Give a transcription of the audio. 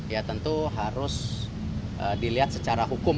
ya tentu harus dilihat secara hukum